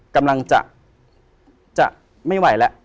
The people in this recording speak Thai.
กำลังจะไม่ไหวแล้ว